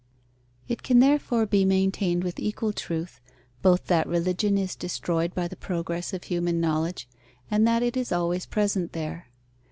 It can therefore be maintained with equal truth, both that religion is destroyed by the progress of human knowledge, and that it is always present there.